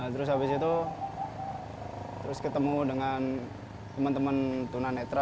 terus habis itu terus ketemu dengan teman teman tunanetra